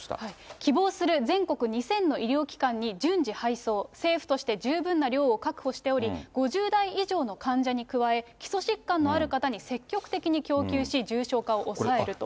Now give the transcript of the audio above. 希望する全国２０００の医療機関に順次配送、政府として、十分な量を確保しており、５０代以上の患者に加え、基礎疾患のある方に積極的に供給し、重症化を抑えると。